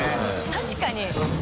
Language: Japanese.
確かに。